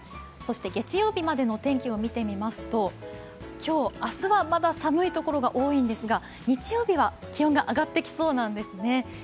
そして、月曜日までの天気を見てみますと、今日、明日はまだ寒い所が多いんですが日曜日は気温が上がってきそうなんですね。